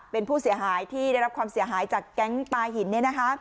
เป็นผู้เสียหายที่ได้รับความเสียหายจากแก๊งปลาหิน